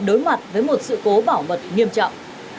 đối mặt với một sự cố bảo mật